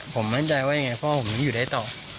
ผมมั่นใจว่าอย่างไรเพราะว่าผมไม่ได้อยู่ได้ต่อ